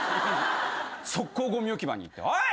即行ごみ置き場に行っておい！